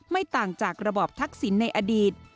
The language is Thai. ไม่ต่างจากระบอบทักษิณในอดีต